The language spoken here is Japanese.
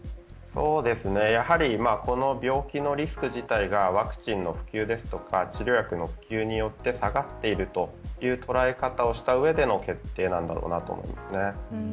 やはりこの病気のリスク自体がワクチンの普及や治療薬の普及によって下がっているという捉え方をした上での決定なんだろうなと思います。